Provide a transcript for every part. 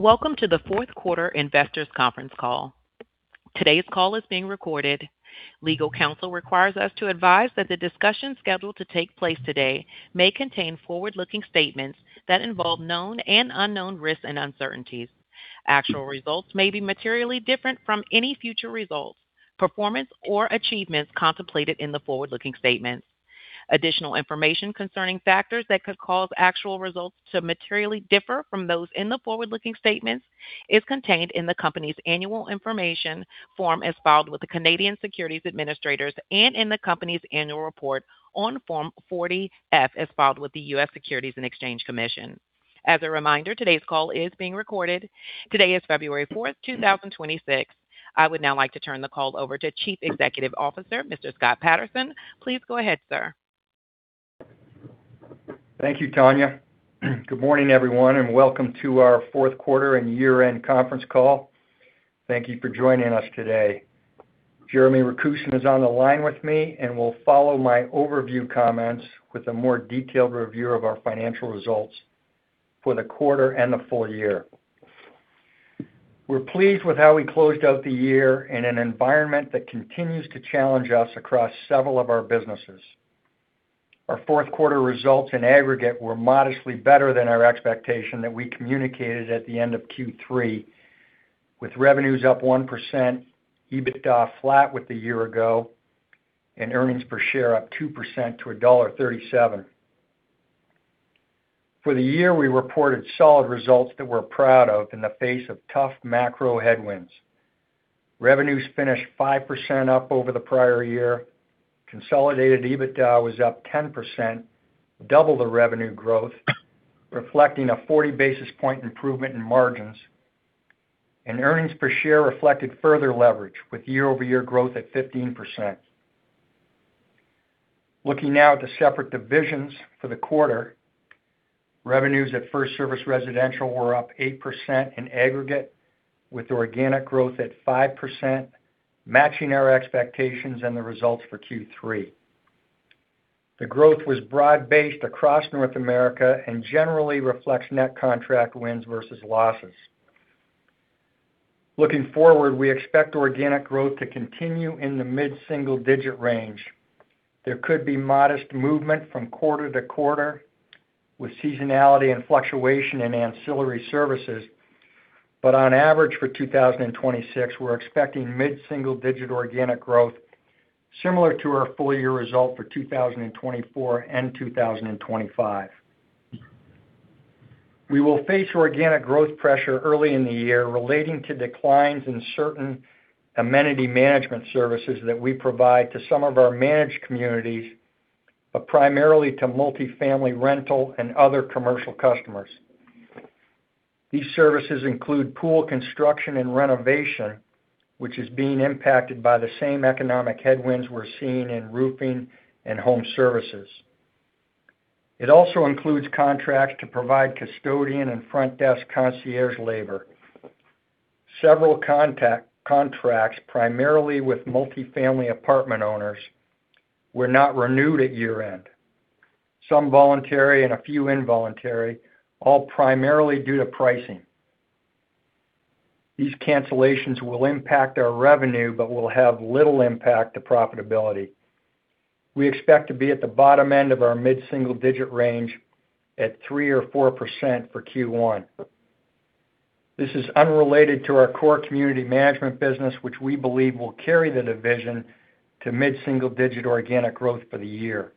Welcome to the fourth quarter investors conference call. Today's call is being recorded. Legal counsel requires us to advise that the discussion scheduled to take place today may contain forward-looking statements that involve known and unknown risks and uncertainties. Actual results may be materially different from any future results, performance, or achievements contemplated in the forward-looking statements. Additional information concerning factors that could cause actual results to materially differ from those in the forward-looking statements is contained in the company's Annual Information Form as filed with the Canadian Securities Administrators and in the company's annual report on Form 40-F, as filed with the U.S. Securities and Exchange Commission. As a reminder, today's call is being recorded. Today is February 4, 2026. I would now like to turn the call over to Chief Executive Officer, Mr. Scott Patterson. Please go ahead, sir. Thank you, Tanya. Good morning, everyone, and welcome to our fourth quarter and year-end conference call. Thank you for joining us today. Jeremy Rakusin is on the line with me and will follow my overview comments with a more detailed review of our financial results for the quarter and the full year. We're pleased with how we closed out the year in an environment that continues to challenge us across several of our businesses. Our fourth quarter results in aggregate were modestly better than our expectation that we communicated at the end of Q3, with revenues up 1%, EBITDA flat with the year ago, and earnings per share up 2% to $1.37. For the year, we reported solid results that we're proud of in the face of tough macro headwinds. Revenues finished 5% up over the prior year. Consolidated EBITDA was up 10%, double the revenue growth, reflecting a 40 basis point improvement in margins, and earnings per share reflected further leverage with year-over-year growth at 15%. Looking now at the separate divisions for the quarter, revenues at FirstService Residential were up 8% in aggregate, with organic growth at 5%, matching our expectations and the results for Q3. The growth was broad-based across North America and generally reflects net contract wins versus losses. Looking forward, we expect organic growth to continue in the mid-single digit range. There could be modest movement from quarter to quarter with seasonality and fluctuation in ancillary services, but on average for 2026, we're expecting mid-single digit organic growth, similar to our full year result for 2024 and 2025. We will face organic growth pressure early in the year relating to declines in certain amenity management services that we provide to some of our managed communities, but primarily to multifamily rental and other commercial customers. These services include pool construction and renovation, which is being impacted by the same economic headwinds we're seeing in roofing and home services. It also includes contracts to provide custodian and front desk concierge labor. Several contracts, primarily with multifamily apartment owners, were not renewed at year-end. Some voluntary and a few involuntary, all primarily due to pricing. These cancellations will impact our revenue but will have little impact to profitability. We expect to be at the bottom end of our mid-single digit range at 3% or 4% for Q1. This is unrelated to our core community management business, which we believe will carry the division to mid-single digit organic growth for the year.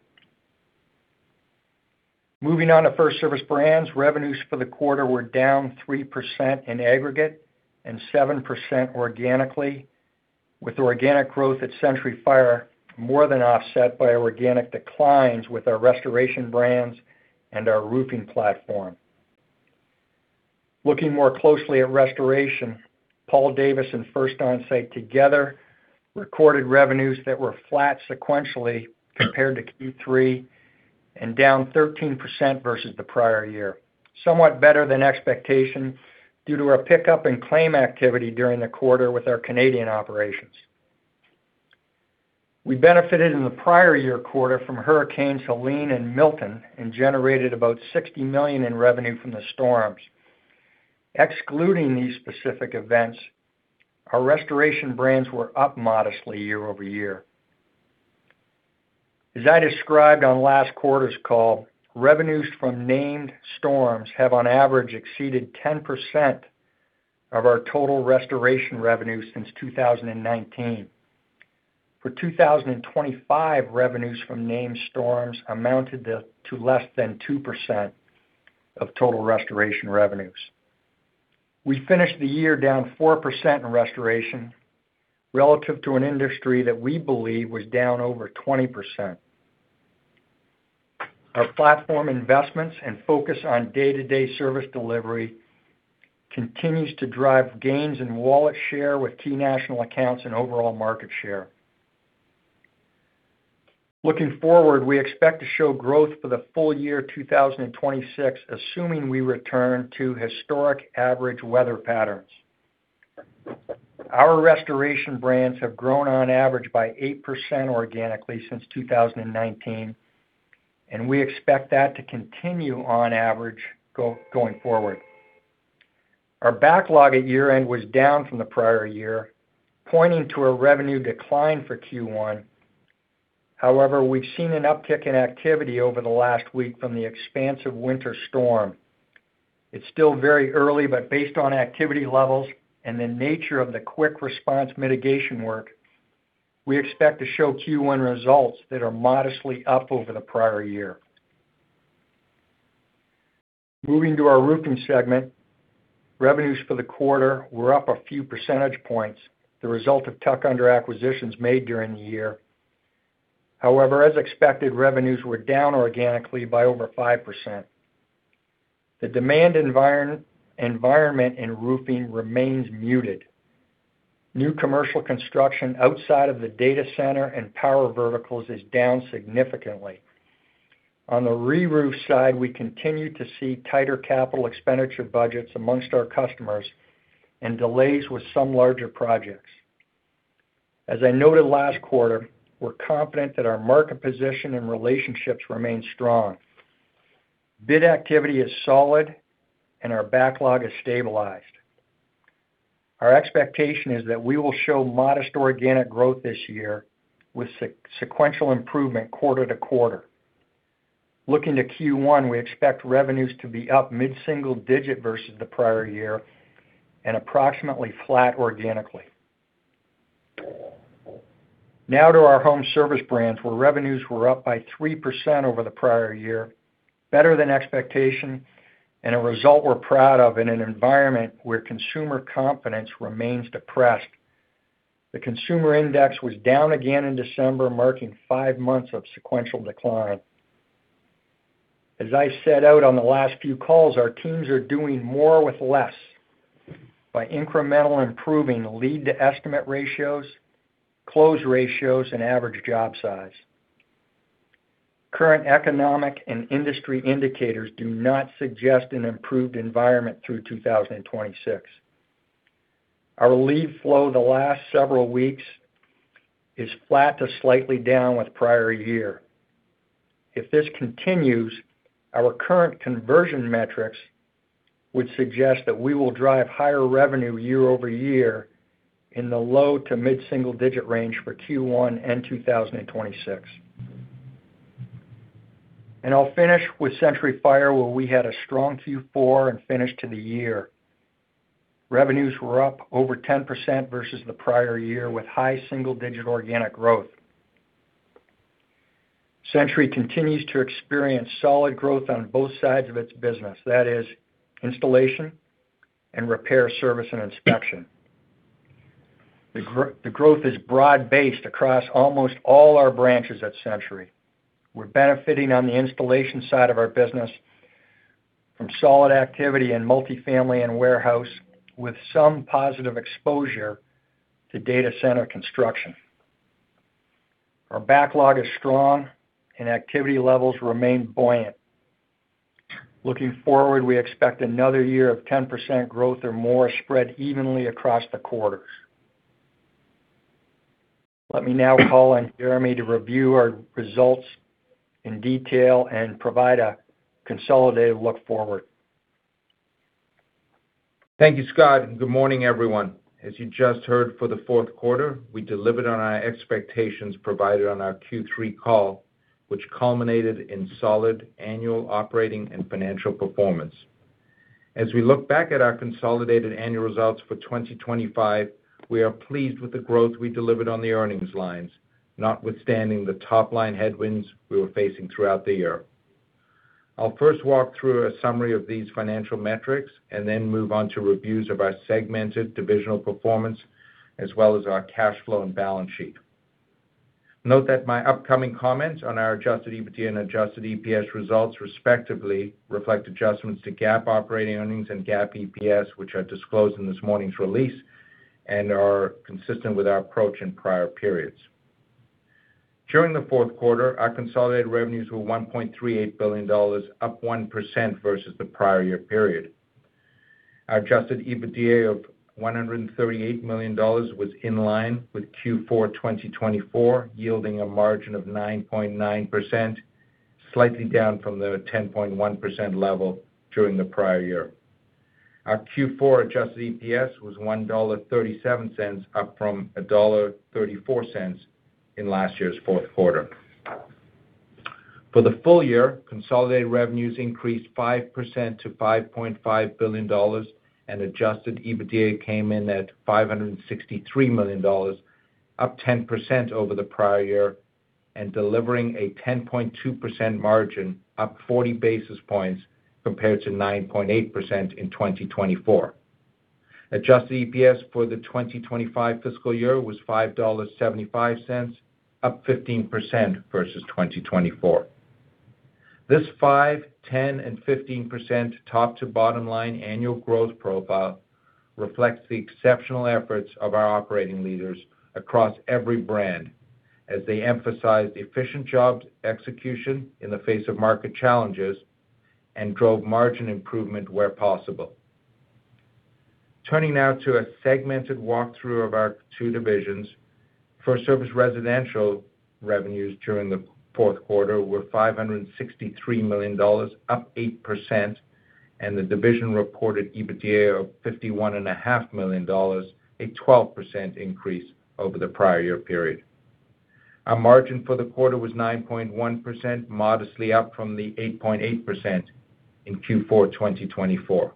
Moving on to FirstService Brands, revenues for the quarter were down 3% in aggregate and 7% organically, with organic growth at Century Fire more than offset by organic declines with our restoration brands and our roofing platform. Looking more closely at restoration, Paul Davis and First Onsite together recorded revenues that were flat sequentially compared to Q3 and down 13% versus the prior year. Somewhat better than expectation due to a pickup in claim activity during the quarter with our Canadian operations. We benefited in the prior year quarter from Hurricane Helene and Milton and generated about $60 million in revenue from the storms. Excluding these specific events, our restoration brands were up modestly year-over-year. As I described on last quarter's call, revenues from named storms have on average exceeded 10% of our total restoration revenues since 2019. For 2025, revenues from named storms amounted to less than 2% of total restoration revenues. We finished the year down 4% in restoration, relative to an industry that we believe was down over 20%. Our platform investments and focus on day-to-day service delivery continues to drive gains in wallet share with key national accounts and overall market share. Looking forward, we expect to show growth for the full year 2026, assuming we return to historic average weather patterns. Our restoration brands have grown on average by 8% organically since 2019, and we expect that to continue on average going forward. Our backlog at year-end was down from the prior year, pointing to a revenue decline for Q1. However, we've seen an uptick in activity over the last week from the expansive winter storm. It's still very early, but based on activity levels and the nature of the quick response mitigation work, we expect to show Q1 results that are modestly up over the prior year. Moving to our roofing segment, revenues for the quarter were up a few percentage points, the result of tuck-under acquisitions made during the year. However, as expected, revenues were down organically by over 5%. The demand environment in roofing remains muted. New commercial construction outside of the data center and power verticals is down significantly. On the reroof side, we continue to see tighter capital expenditure budgets among our customers and delays with some larger projects. As I noted last quarter, we're confident that our market position and relationships remain strong. Bid activity is solid, and our backlog is stabilized. Our expectation is that we will show modest organic growth this year with sequential improvement quarter to quarter. Looking to Q1, we expect revenues to be up mid-single digit versus the prior year and approximately flat organically. Now to our home service brands, where revenues were up by 3% over the prior year, better than expectation and a result we're proud of in an environment where consumer confidence remains depressed. The consumer index was down again in December, marking 5 months of sequential decline. As I said on the last few calls, our teams are doing more with less by incrementally improving lead-to-estimate ratios, close ratios, and average job size. Current economic and industry indicators do not suggest an improved environment through 2026. Our lead flow the last several weeks is flat to slightly down with prior year. If this continues, our current conversion metrics would suggest that we will drive higher revenue year-over-year in the low to mid-single digit range for Q1 and 2026. And I'll finish with Century Fire, where we had a strong Q4 and finish to the year. Revenues were up over 10% versus the prior year, with high single-digit organic growth. Century continues to experience solid growth on both sides of its business, that is, installation and repair, service, and inspection. The growth is broad-based across almost all our branches at Century. We're benefiting on the installation side of our business from solid activity in multifamily and warehouse, with some positive exposure to data center construction. Our backlog is strong, and activity levels remain buoyant. Looking forward, we expect another year of 10% growth or more spread evenly across the quarters. Let me now call on Jeremy to review our results in detail and provide a consolidated look forward. Thank you, Scott, and good morning, everyone. As you just heard, for the fourth quarter, we delivered on our expectations provided on our Q3 call, which culminated in solid annual operating and financial performance. As we look back at our consolidated annual results for 2025, we are pleased with the growth we delivered on the earnings lines, notwithstanding the top-line headwinds we were facing throughout the year. I'll first walk through a summary of these financial metrics and then move on to reviews of our segmented divisional performance, as well as our cash flow and balance sheet. Note that my upcoming comments on our adjusted EBITDA and adjusted EPS results, respectively, reflect adjustments to GAAP operating earnings and GAAP EPS, which are disclosed in this morning's release and are consistent with our approach in prior periods. During the fourth quarter, our consolidated revenues were $1.38 billion, up 1% versus the prior year period. Our adjusted EBITDA of $138 million was in line with Q4 2024, yielding a margin of 9.9%, slightly down from the 10.1% level during the prior year. Our Q4 adjusted EPS was $1.37, up from $1.34 in last year's fourth quarter. For the full year, consolidated revenues increased 5% to $5.5 billion, and adjusted EBITDA came in at $563 million, up 10% over the prior year and delivering a 10.2% margin, up 40 basis points compared to 9.8% in 2024. Adjusted EPS for the 2025 fiscal year was $5.75, up 15% versus 2024. This 5%, 10%, and 15% top to bottom line annual growth profile reflects the exceptional efforts of our operating leaders across every brand as they emphasize efficient jobs execution in the face of market challenges... and drove margin improvement where possible. Turning now to a segmented walkthrough of our two divisions. FirstService Residential revenues during the fourth quarter were $563 million, up 8%, and the division reported EBITDA of $51.5 million, a 12% increase over the prior year period. Our margin for the quarter was 9.1%, modestly up from the 8.8% in Q4 2024.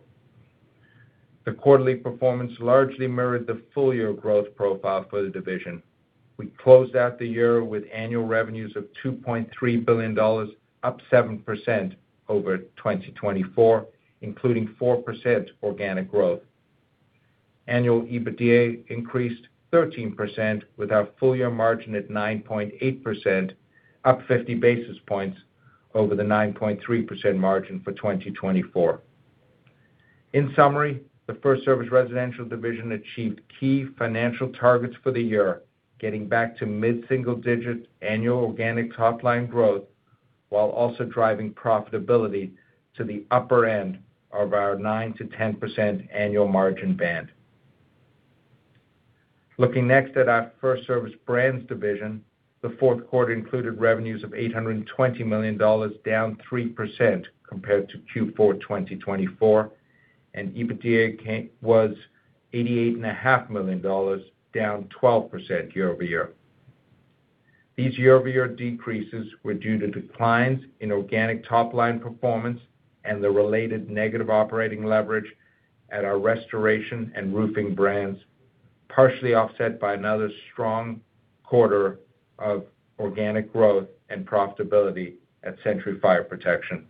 The quarterly performance largely mirrored the full year growth profile for the division. We closed out the year with annual revenues of $2.3 billion, up 7% over 2024, including 4% organic growth. Annual EBITDA increased 13%, with our full year margin at 9.8%, up fifty basis points over the 9.3% margin for 2024. In summary, the FirstService Residential division achieved key financial targets for the year, getting back to mid-single digit annual organic top line growth, while also driving profitability to the upper end of our 9%-10% annual margin band. Looking next at our FirstService Brands division, the fourth quarter included revenues of $820 million, down 3% compared to Q4 2024, and EBITDA was $88.5 million, down 12% year-over-year. These year-over-year decreases were due to declines in organic top line performance and the related negative operating leverage at our restoration and roofing brands, partially offset by another strong quarter of organic growth and profitability at Century Fire Protection.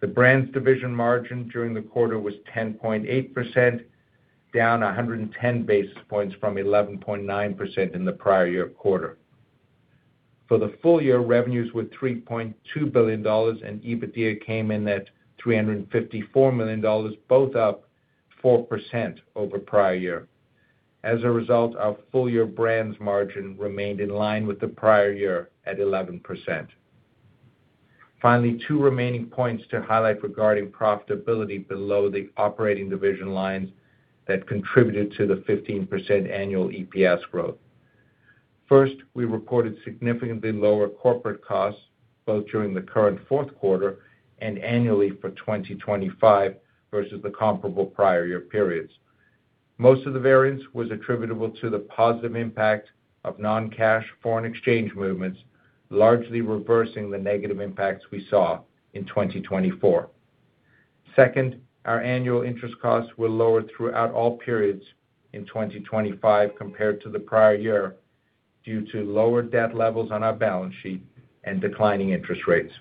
The brands division margin during the quarter was 10.8%, down 110 basis points from 11.9% in the prior year quarter. For the full year, revenues were $3.2 billion, and EBITDA came in at $354 million, both up 4% over prior year. As a result, our full year brands margin remained in line with the prior year at 11%. Finally, two remaining points to highlight regarding profitability below the operating division lines that contributed to the 15% annual EPS growth. First, we reported significantly lower corporate costs, both during the current fourth quarter and annually for 2025 versus the comparable prior year periods. Most of the variance was attributable to the positive impact of non-cash foreign exchange movements, largely reversing the negative impacts we saw in 2024. Second, our annual interest costs were lower throughout all periods in 2025 compared to the prior year, due to lower debt levels on our balance sheet and declining interest rates.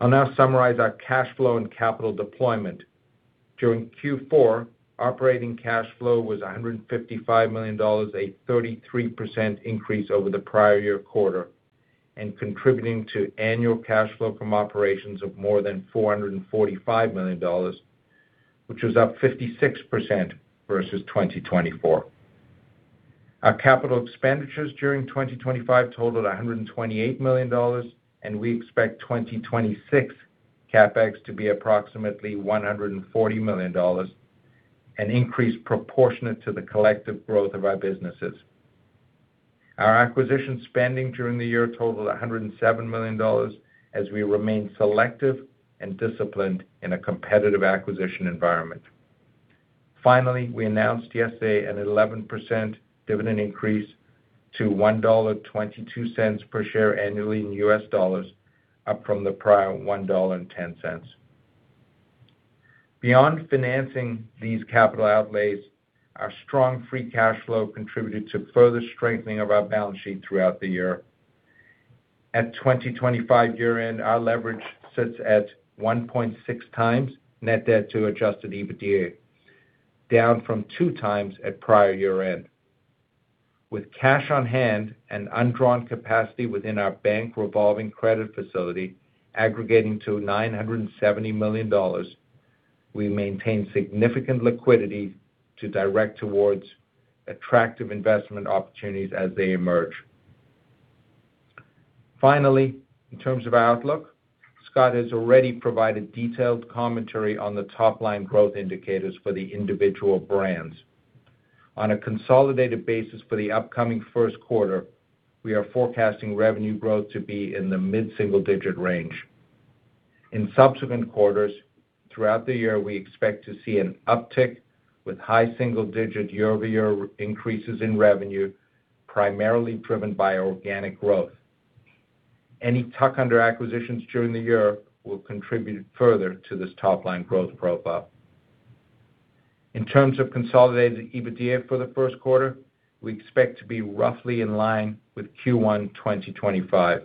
I'll now summarize our cash flow and capital deployment. During Q4, operating cash flow was $155 million, a 33% increase over the prior year quarter, and contributing to annual cash flow from operations of more than $445 million, which was up 56% versus 2024. Our capital expenditures during 2025 totaled $128 million, and we expect 2026 CapEx to be approximately $140 million, an increase proportionate to the collective growth of our businesses. Our acquisition spending during the year totaled $107 million, as we remain selective and disciplined in a competitive acquisition environment. Finally, we announced yesterday an 11% dividend increase to $1.22 per share annually in US dollars, up from the prior $1.10. Beyond financing these capital outlays, our strong free cash flow contributed to further strengthening of our balance sheet throughout the year. At 2025 year-end, our leverage sits at 1.6x net debt to Adjusted EBITDA, down from 2x at prior year-end. With cash on hand and undrawn capacity within our bank revolving credit facility aggregating to $970 million, we maintain significant liquidity to direct towards attractive investment opportunities as they emerge. Finally, in terms of outlook, Scott has already provided detailed commentary on the top-line growth indicators for the individual brands. On a consolidated basis for the upcoming first quarter, we are forecasting revenue growth to be in the mid-single digit range. In subsequent quarters, throughout the year, we expect to see an uptick with high single-digit year-over-year increases in revenue, primarily driven by organic growth. Any tuck-under acquisitions during the year will contribute further to this top line growth profile. In terms of consolidated EBITDA for the first quarter, we expect to be roughly in line with Q1 2025.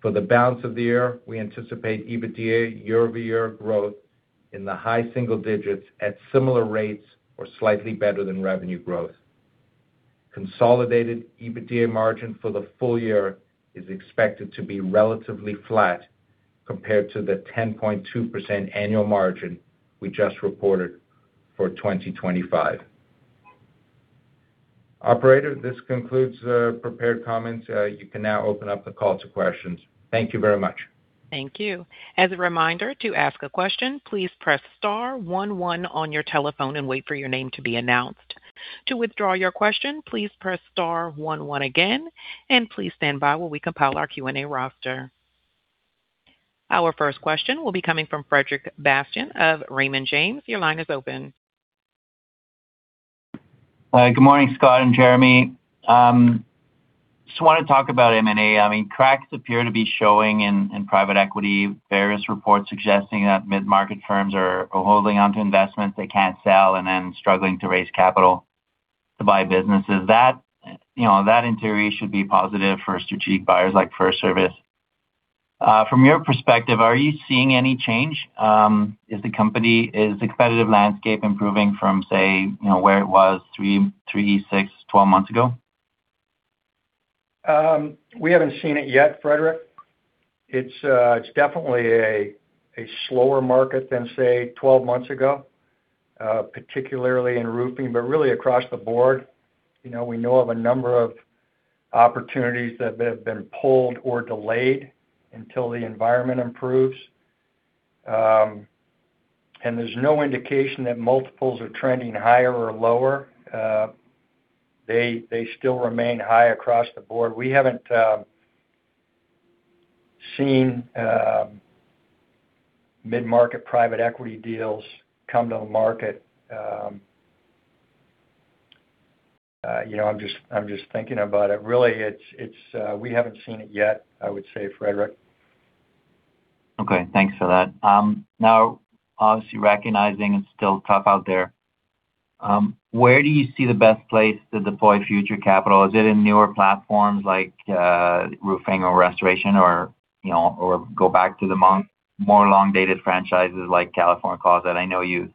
For the balance of the year, we anticipate EBITDA year-over-year growth in the high single digits at similar rates or slightly better than revenue growth. Consolidated EBITDA margin for the full year is expected to be relatively flat compared to the 10.2% annual margin we just reported for 2025. Operator, this concludes the prepared comments. You can now open up the call to questions. Thank you very much. Thank you. As a reminder, to ask a question, please press star one, one on your telephone and wait for your name to be announced. To withdraw your question, please press star one, one again, and please stand by while we compile our Q&A roster. Our first question will be coming from Frederic Bastien of Raymond James. Your line is open. Good morning, Scott and Jeremy. Just want to talk about M&A. I mean, cracks appear to be showing in private equity, various reports suggesting that mid-market firms are holding onto investments they can't sell and then struggling to raise capital to buy businesses. That, you know, in theory, should be positive for strategic buyers like FirstService. From your perspective, are you seeing any change? Is the competitive landscape improving from, say, you know, where it was 3, 6, 12 months ago? We haven't seen it yet, Frederic. It's definitely a slower market than, say, 12 months ago, particularly in roofing, but really across the board. You know, we know of a number of opportunities that have been pulled or delayed until the environment improves. And there's no indication that multiples are trending higher or lower. They still remain high across the board. We haven't seen mid-market private equity deals come to the market. You know, I'm just thinking about it. Really, we haven't seen it yet, I would say, Frederic. Okay, thanks for that. Now, obviously recognizing it's still tough out there, where do you see the best place to deploy future capital? Is it in newer platforms like roofing or restoration, or, you know, or go back to more long-dated franchises like California Closets? I know you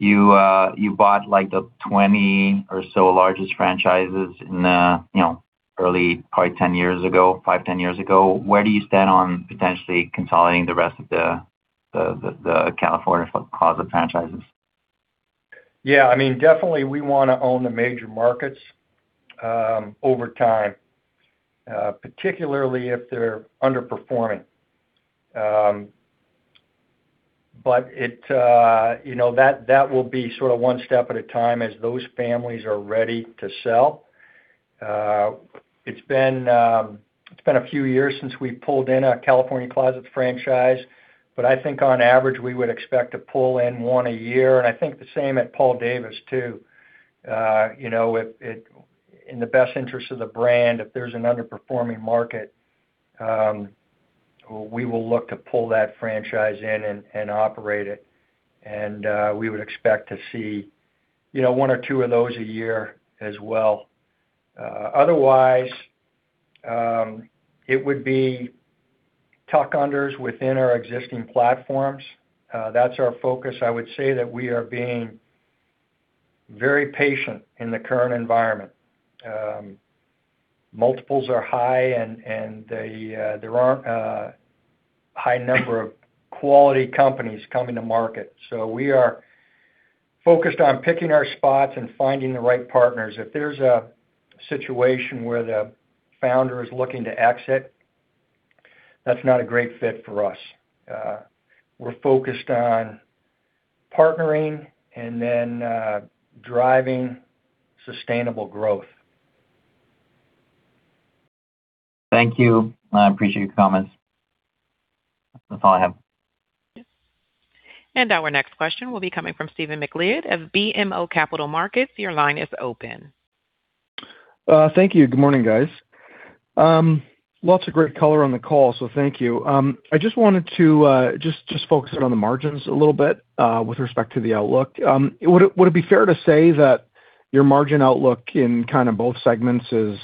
bought, like, the 20 or so largest franchises in, you know, early, probably 10 years ago, 5, 10 years ago. Where do you stand on potentially consolidating the rest of the California Closets franchises? Yeah, I mean, definitely, we want to own the major markets, over time, particularly if they're underperforming. But it, you know, will be sort of one step at a time as those families are ready to sell. It's been a few years since we pulled in a California Closets franchise, but I think on average, we would expect to pull in one a year. And I think the same at Paul Davis, too. You know, in the best interest of the brand, if there's an underperforming market, we will look to pull that franchise in and operate it. And we would expect to see, you know, one or two of those a year as well. Otherwise, it would be tuck-under within our existing platforms. That's our focus. I would say that we are being very patient in the current environment. Multiples are high, and there aren't a high number of quality companies coming to market. So we are focused on picking our spots and finding the right partners. If there's a situation where the founder is looking to exit, that's not a great fit for us. We're focused on partnering and then driving sustainable growth. Thank you. I appreciate your comments. That's all I have. Our next question will be coming from Stephen MacLeod of BMO Capital Markets. Your line is open. Thank you. Good morning, guys. Lots of great color on the call, so thank you. I just wanted to just focus in on the margins a little bit with respect to the outlook. Would it be fair to say that your margin outlook in kind of both segments is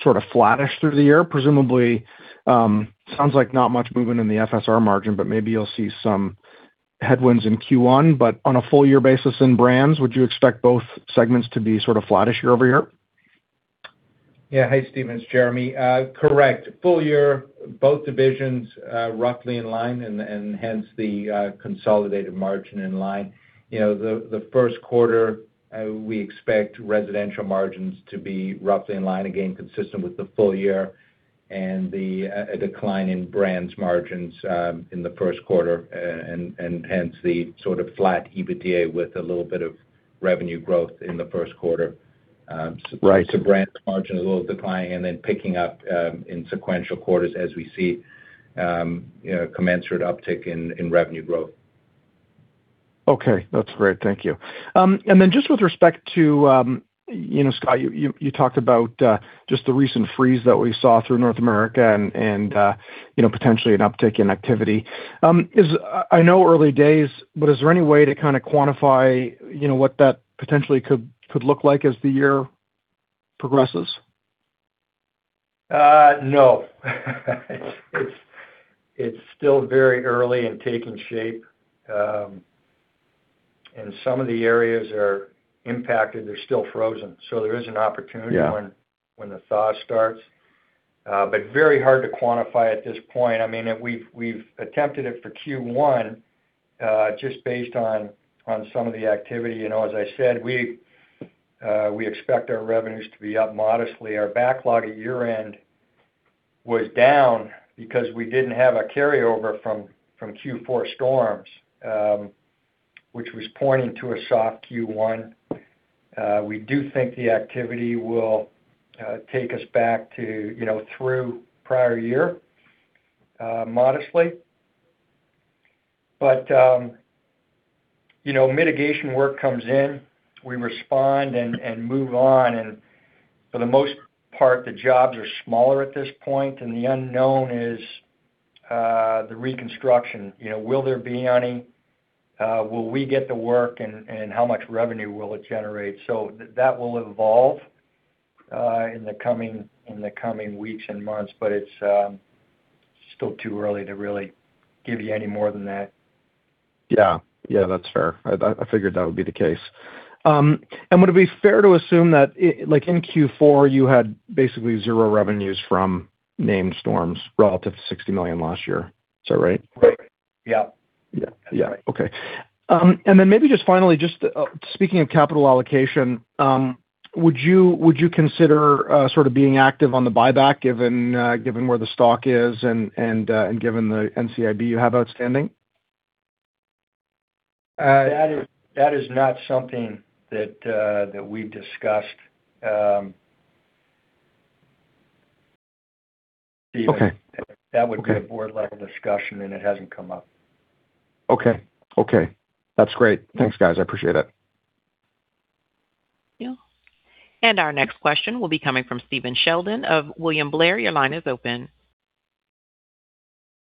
sort of flattish through the year? Presumably, sounds like not much movement in the FSR margin, but maybe you'll see some headwinds in Q1. But on a full year basis in brands, would you expect both segments to be sort of flattish year over year? Yeah. Hey, Stephen, it's Jeremy. Correct. Full year, both divisions, roughly in line and hence the consolidated margin in line. You know, the first quarter, we expect residential margins to be roughly in line, again, consistent with the full year and a decline in brands margins in the first quarter, and hence the sort of flat EBITDA with a little bit of revenue growth in the first quarter. Right. So brands margin is a little declining and then picking up in sequential quarters as we see, you know, commensurate uptick in revenue growth. Okay, that's great. Thank you. And then just with respect to, you know, Scott, you talked about just the recent freeze that we saw through North America and you know, potentially an uptick in activity. I know early days, but is there any way to kind of quantify, you know, what that potentially could look like as the year progresses? No. It's, it's, it's still very early in taking shape, and some of the areas are impacted, they're still frozen. So there is an opportunity- Yeah... when the thaw starts... but very hard to quantify at this point. I mean, and we've attempted it for Q1, just based on some of the activity. You know, as I said, we expect our revenues to be up modestly. Our backlog at year-end was down because we didn't have a carryover from Q4 storms, which was pointing to a soft Q1. We do think the activity will take us back to, you know, through prior year, modestly. But, you know, mitigation work comes in, we respond and move on, and for the most part, the jobs are smaller at this point, and the unknown is the reconstruction. You know, will there be any? Will we get the work, and how much revenue will it generate? So that will evolve in the coming weeks and months, but it's still too early to really give you any more than that. Yeah. Yeah, that's fair. I, I figured that would be the case. Would it be fair to assume that, like, in Q4, you had basically zero revenues from named storms relative to $60 million last year? Is that right? Right. Yep. Yeah. Yeah. Okay. And then maybe just finally, just speaking of capital allocation, would you consider sort of being active on the buyback, given given where the stock is and and given the NCIB you have outstanding? That is not something that we've discussed, Stephen. Okay. That would be a board-level discussion, and it hasn't come up. Okay. Okay. That's great. Thanks, guys. I appreciate it. Our next question will be coming from Stephen Sheldon of William Blair. Your line is open.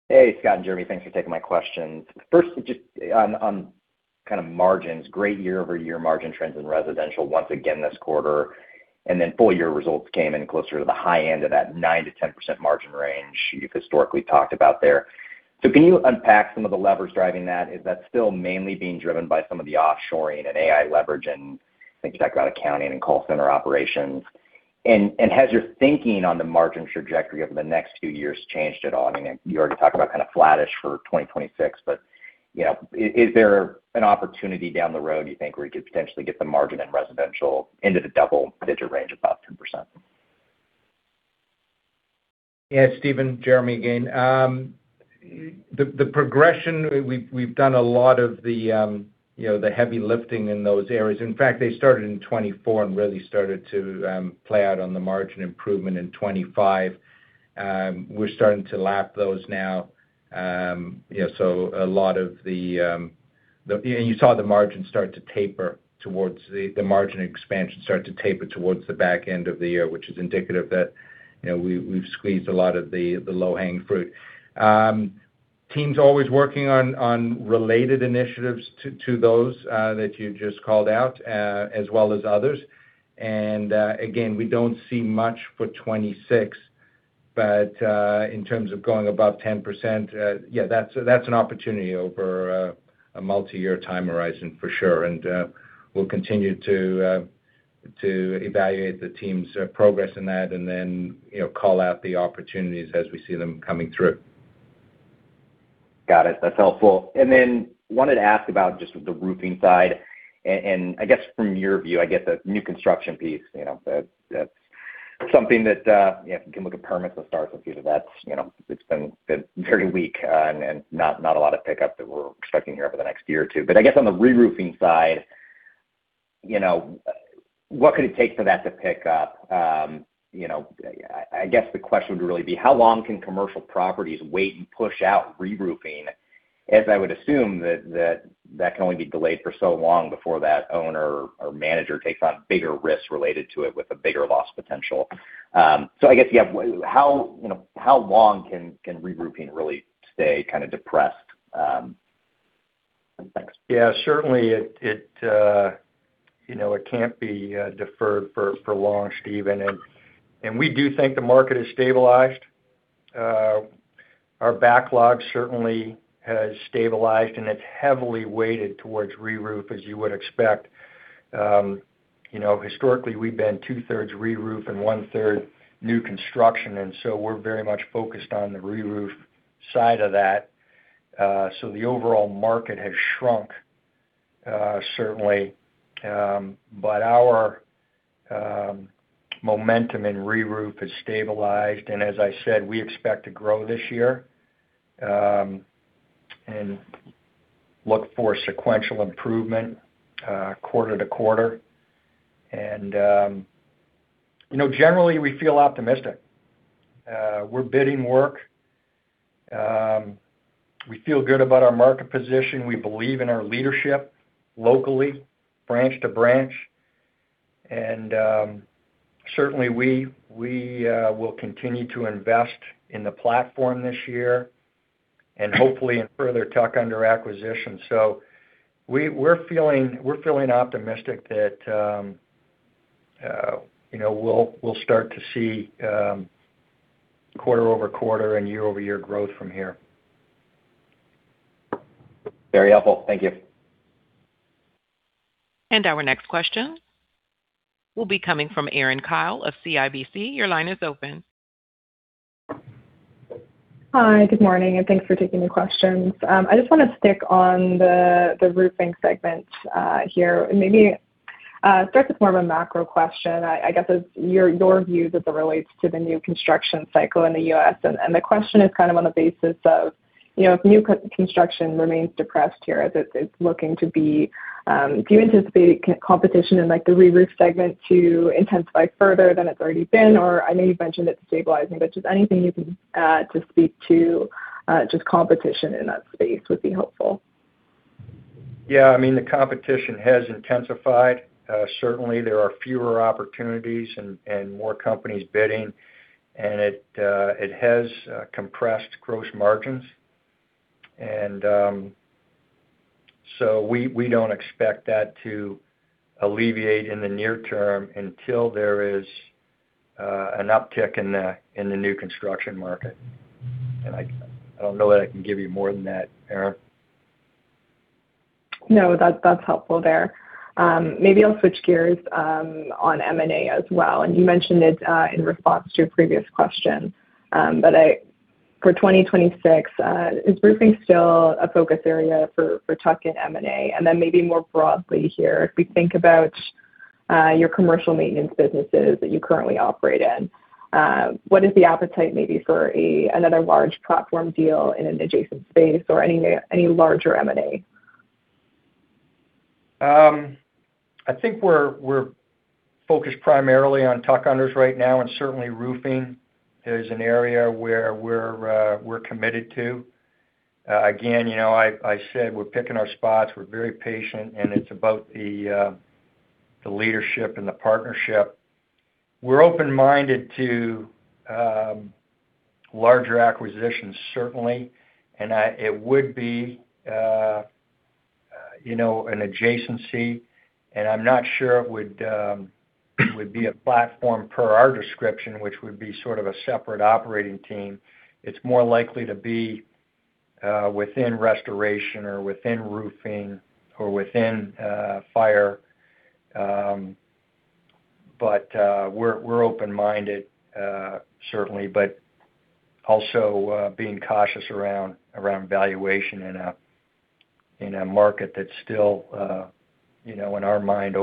Hey, Scott and Jeremy, thanks for taking my questions. First, just on kind of margins, great year-over-year margin trends in residential once again this quarter, and then full year results came in closer to the high end of that 9%-10% margin range you've historically talked about there. So can you unpack some of the levers driving that? Is that still mainly being driven by some of the offshoring and AI leverage, and I think you talked about accounting and call center operations. And has your thinking on the margin trajectory over the next few years changed at all? I mean, you already talked about kind of flattish for 2026, but, you know, is there an opportunity down the road, you think, where you could potentially get the margin in residential into the double-digit range, above 10%? Yeah, Stephen, Jeremy again. The progression, we've done a lot of the, you know, the heavy lifting in those areas. In fact, they started in 2024 and really started to play out on the margin improvement in 2025. We're starting to lap those now. Yeah, so a lot of the... You saw the margins start to taper towards the margin expansion start to taper towards the back end of the year, which is indicative that, you know, we've squeezed a lot of the low-hanging fruit. The team's always working on related initiatives to those that you just called out, as well as others. Again, we don't see much for 2026, but in terms of going above 10%, yeah, that's an opportunity over a multiyear time horizon for sure. We'll continue to evaluate the team's progress in that and then, you know, call out the opportunities as we see them coming through. Got it. That's helpful. And then wanted to ask about just the roofing side. And I guess from your view, I guess the new construction piece, you know, that's something that you know if you can look at permits and starts and see that that's you know it's been very weak and not a lot of pickup that we're expecting here over the next year or two. But I guess on the reroofing side, you know, what could it take for that to pick up? You know, I guess the question would really be, how long can commercial properties wait and push out reroofing, as I would assume that that can only be delayed for so long before that owner or manager takes on bigger risks related to it with a bigger loss potential? So, I guess, yeah, how, you know, how long can reroofing really stay kind of depressed? And thanks. Yeah, certainly, you know, it can't be deferred for long, Stephen. And we do think the market has stabilized. Our backlog certainly has stabilized, and it's heavily weighted towards reroof, as you would expect. You know, historically, we've been two-thirds reroof and one-third new construction, and so we're very much focused on the reroof side of that. So the overall market has shrunk certainly. But our momentum in reroof has stabilized, and as I said, we expect to grow this year and look for sequential improvement quarter to quarter. And you know, generally, we feel optimistic. We're bidding work. We feel good about our market position. We believe in our leadership locally, branch to branch. Certainly, we will continue to invest in the platform this year and hopefully in further tuck-under acquisitions. We're feeling optimistic that, you know, we'll start to see quarter-over-quarter and year-over-year growth from here.... Very helpful. Thank you. Our next question will be coming from Erin Kyle of CIBC. Your line is open. Hi, good morning, and thanks for taking the questions. I just want to stick on the roofing segment here, and maybe start with more of a macro question. I guess as your view as it relates to the new construction cycle in the U.S. The question is kind of on the basis of, you know, if new construction remains depressed here, as it's looking to be, do you anticipate competition in, like, the reroof segment to intensify further than it's already been? Or I know you've mentioned it's stabilizing, but just anything you can just speak to just competition in that space would be helpful. Yeah, I mean, the competition has intensified. Certainly, there are fewer opportunities and more companies bidding, and it has compressed gross margins. And, so we don't expect that to alleviate in the near term until there is an uptick in the new construction market. And I don't know that I can give you more than that, Erin. No, that's, that's helpful there. Maybe I'll switch gears on M&A as well. You mentioned it in response to a previous question. But for 2026, is roofing still a focus area for tuck-in M&A? And then maybe more broadly here, if we think about your commercial maintenance businesses that you currently operate in, what is the appetite maybe for another large platform deal in an adjacent space or any larger M&A? I think we're focused primarily on tuck-unders right now, and certainly roofing is an area where we're committed to. Again, you know, I said, we're picking our spots. We're very patient, and it's about the leadership and the partnership. We're open-minded to larger acquisitions, certainly, and it would be you know, an adjacency. And I'm not sure it would be a platform per our description, which would be sort of a separate operating team. It's more likely to be within restoration or within roofing or within fire. But we're open-minded, certainly, but also being cautious around valuation in a market that's still you know, in our mind,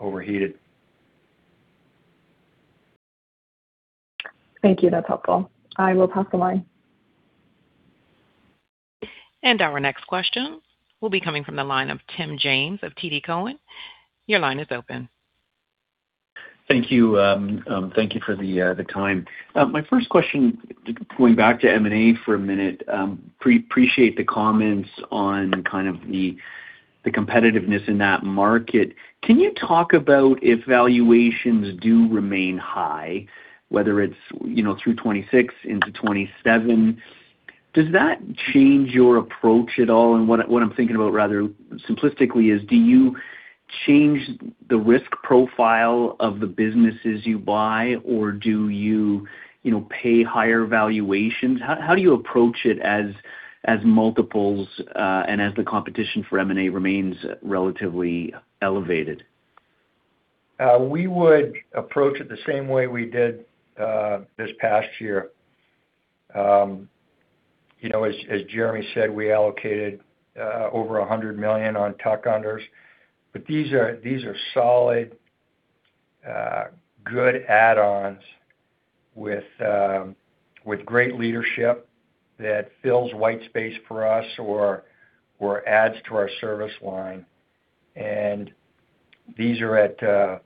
overheated. Thank you. That's helpful. I will pass the line. Our next question will be coming from the line of Tim James of TD Cowen. Your line is open. Thank you for the time. My first question, going back to M&A for a minute, I appreciate the comments on kind of the competitiveness in that market. Can you talk about if valuations do remain high, whether it's, you know, through 2026 into 2027, does that change your approach at all? And what I'm thinking about, rather simplistically, is: do you change the risk profile of the businesses you buy, or do you, you know, pay higher valuations? How do you approach it as multiples, and as the competition for M&A remains relatively elevated? We would approach it the same way we did this past year. You know, as Jeremy said, we allocated over $100 million on tuck-unders. But these are solid good add-ons with great leadership that fills white space for us or adds to our service line. And these are at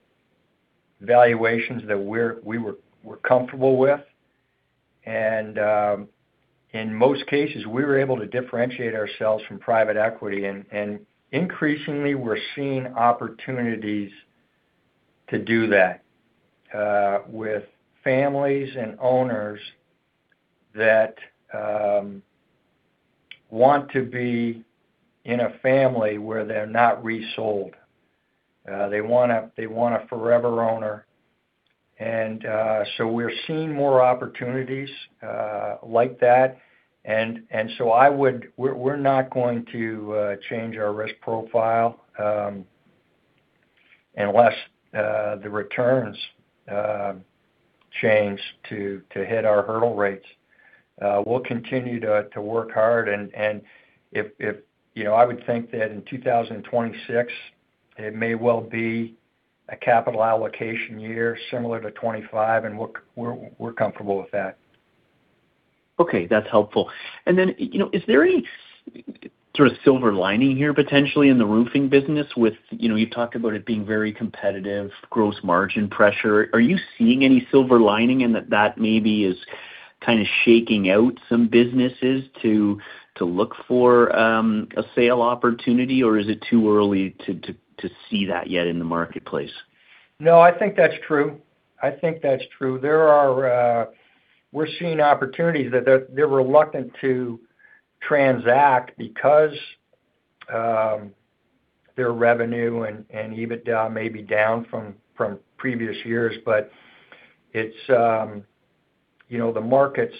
valuations that we're comfortable with. And in most cases, we were able to differentiate ourselves from private equity, and increasingly, we're seeing opportunities to do that with families and owners that want to be in a family where they're not resold. They want a forever owner. And so we're seeing more opportunities like that. And so I would... We're not going to change our risk profile unless the returns change to hit our hurdle rates. We'll continue to work hard and, if you know, I would think that in 2026, it may well be a capital allocation year similar to 2025, and we're comfortable with that. Okay, that's helpful. And then, you know, is there any sort of silver lining here, potentially in the roofing business with, you know, you've talked about it being very competitive, gross margin pressure. Are you seeing any silver lining in that, that maybe is kind of shaking out some businesses to look for a sale opportunity, or is it too early to see that yet in the marketplace? No, I think that's true. I think that's true. There are... We're seeing opportunities that they're, they're reluctant to transact because their revenue and EBITDA may be down from previous years, but it's... you know, the market's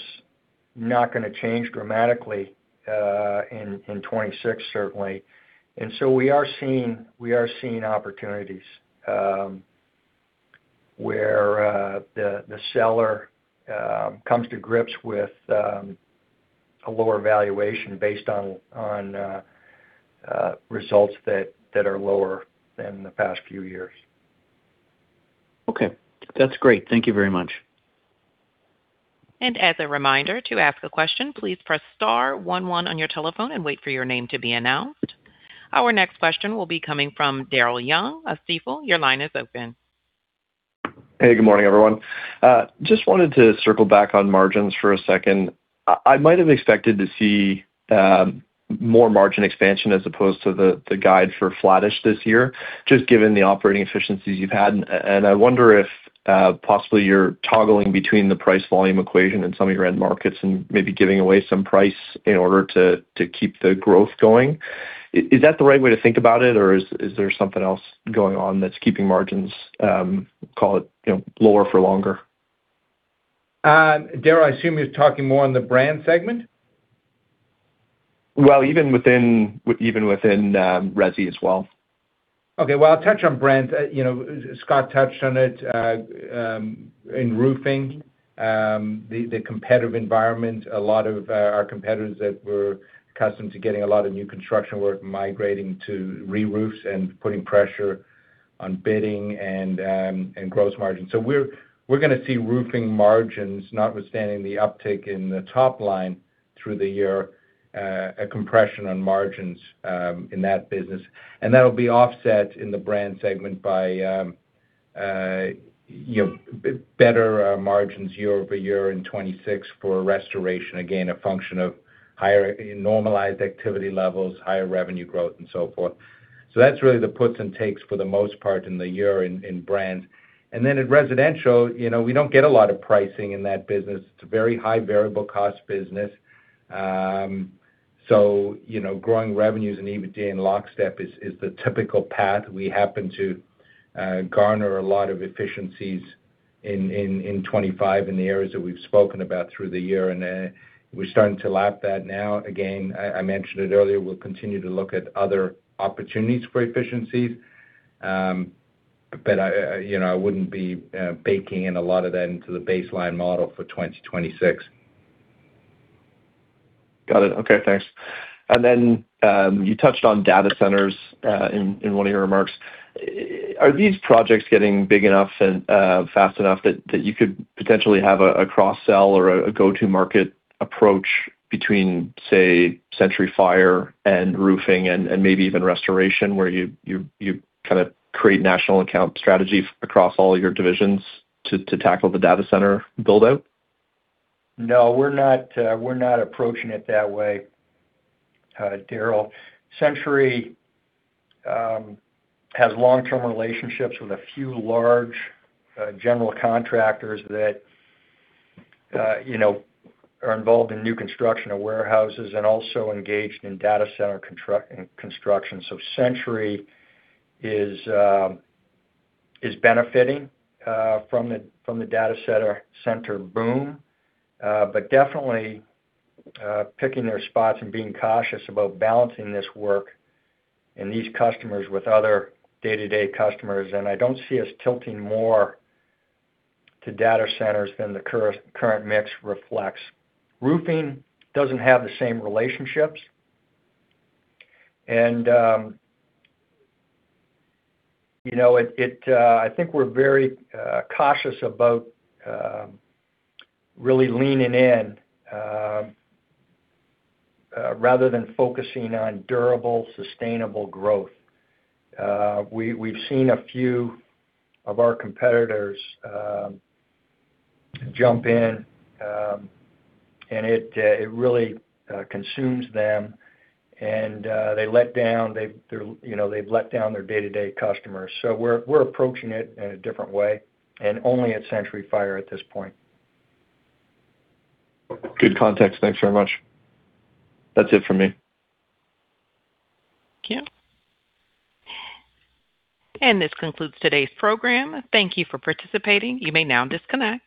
not gonna change dramatically in 2026, certainly. And so we are seeing opportunities where the seller comes to grips with a lower valuation based on results that are lower than the past few years. Okay. That's great. Thank you very much. As a reminder, to ask a question, please press star one one on your telephone and wait for your name to be announced. Our next question will be coming from Daryl Young of Stifel. Your line is open. Hey, good morning, everyone. Just wanted to circle back on margins for a second. I might have expected to see more margin expansion as opposed to the guide for flattish this year, just given the operating efficiencies you've had. And I wonder if possibly you're toggling between the price-volume equation in some of your end markets and maybe giving away some price in order to keep the growth going. Is that the right way to think about it, or is there something else going on that's keeping margins, call it, you know, lower for longer? Daryl, I assume you're talking more on the brand segment? Well, even within, even within, resi as well. Okay, well, I'll touch on brand. You know, Scott touched on it, in roofing. The competitive environment, a lot of our competitors that were accustomed to getting a lot of new construction work, migrating to re-roofs and putting pressure on bidding and, and gross margin. So we're gonna see roofing margins, notwithstanding the uptick in the top line through the year, a compression on margins, in that business. And that'll be offset in the brand segment by, you know, better margins year over year in 2026 for restoration. Again, a function of higher normalized activity levels, higher revenue growth, and so forth. So that's really the puts and takes for the most part in the year in brands. Then in residential, you know, we don't get a lot of pricing in that business. It's a very high variable cost business. So, you know, growing revenues and EBITDA in lockstep is the typical path. We happen to garner a lot of efficiencies in 2025 in the areas that we've spoken about through the year, and we're starting to lap that now. Again, I mentioned it earlier, we'll continue to look at other opportunities for efficiencies. But I, you know, I wouldn't be baking in a lot of that into the baseline model for 2026. Got it. Okay, thanks. And then, you touched on data centers in one of your remarks. Are these projects getting big enough and fast enough that you could potentially have a cross-sell or a go-to-market approach between, say, Century Fire and Roofing and maybe even restoration, where you kind of create national account strategy across all your divisions to tackle the data center build-out? No, we're not, we're not approaching it that way, Daryl. Century has long-term relationships with a few large general contractors that you know are involved in new construction of warehouses and also engaged in data center construction. So Century is benefiting from the data center boom but definitely picking their spots and being cautious about balancing this work and these customers with other day-to-day customers. I don't see us tilting more to data centers than the current mix reflects. Roofing doesn't have the same relationships. And you know I think we're very cautious about really leaning in rather than focusing on durable sustainable growth. We've seen a few of our competitors jump in, and it really consumes them, and, you know, they've let down their day-to-day customers. So we're approaching it in a different way and only at Century Fire at this point. Good context. Thanks very much. That's it for me. Thank you. And this concludes today's program. Thank you for participating. You may now disconnect.